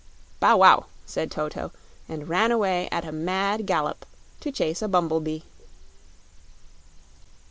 "Bow wow!" said Toto, and ran away at a mad gallop to chase a bumble bee.